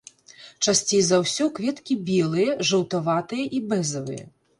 Часцей за ўсё кветкі белыя, жаўтаватыя і бэзавыя.